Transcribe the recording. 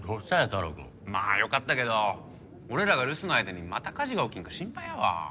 太郎くん。まあよかったけど俺らが留守の間にまた火事が起きんか心配やわ。